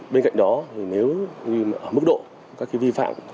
bên cạnh đó nếu mức độ các vi phạm